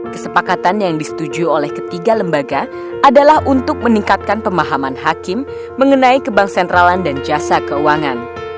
kesepakatan yang disetujui oleh ketiga lembaga adalah untuk meningkatkan pemahaman hakim mengenai kebang sentralan dan jasa keuangan